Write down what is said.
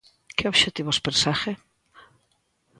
Que obxectivos persegue?